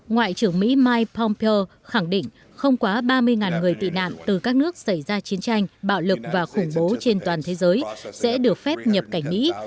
ngoại trưởng mỹ mike pompeo khẳng định không quá ba mươi người tị nạn từ các nước xảy ra chiến tranh bạo lực và khủng bố trên toàn thế giới sẽ được phép nhập cảnh mỹ